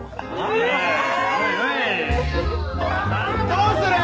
どうする？